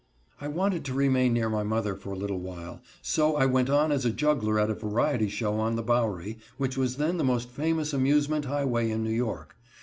I wanted to remain near my mother for a little while, so I went on as juggler at a variety show on the Bowery, which was then the most famous amusement highway in New York.